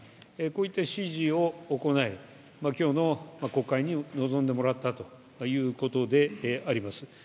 こういった指示を行い今日の国会に臨んでもらったということであります。